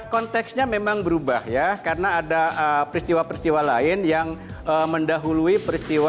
konteksnya memang berubah ya karena ada peristiwa peristiwa lain yang mendahului peristiwa